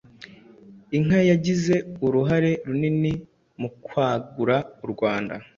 Inka yagize uruhare runini mu kwagura u Rwanda.